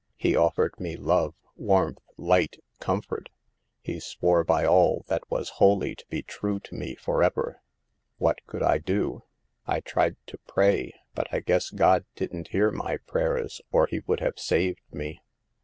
He offered me love, warmth, light, comfort. He swore by all that was holy to be true to me for ever. What could I do? I tried to pray, but I guess God didn't hear my prayers, or He would have saved me.